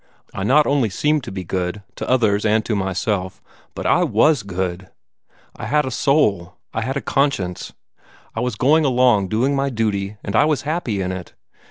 I not only seemed to be good, to others and to myself, but I was good. I had a soul; I had a conscience. I was going along doing my duty, and I was happy in it.